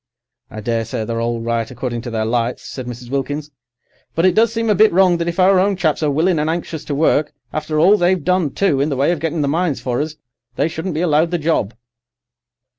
"I daresay they're all right according to their lights," said Mrs. Wilkins, "but it does seem a bit wrong that if our own chaps are willin' and anxious to work, after all they've done, too, in the way of getting the mines for us, they shouldn't be allowed the job."